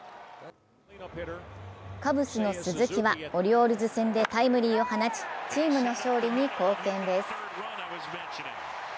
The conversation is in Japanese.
カブスの鈴木はオリオールズ戦でタイムリーを放ち、チームの勝利に貢献です。